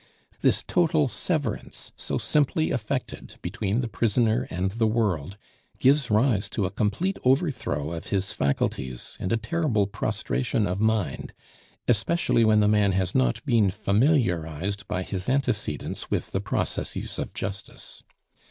This total severance, so simply effected between the prisoner and the world, gives rise to a complete overthrow of his faculties and a terrible prostration of mind, especially when the man has not been familiarized by his antecedents with the processes of justice.